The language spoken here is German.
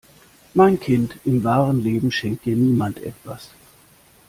Mein Kind, im wahren Leben schenkt dir niemand etwas.